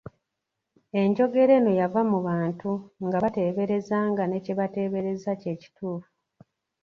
Enjogera eno yava mu Bantu nga bateebereza nga ne kyebateeberezza kye kituufu.